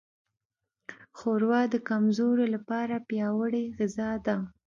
ښوروا د کمزورو لپاره پیاوړې غذا ده.